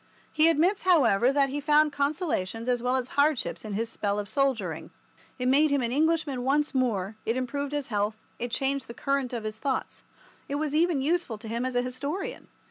He admits, however, that he found consolations as well as hardships in his spell of soldiering. It made him an Englishman once more, it improved his health, it changed the current of his thoughts. It was even useful to him as an historian.